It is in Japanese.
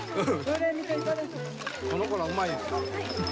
この子らうまい。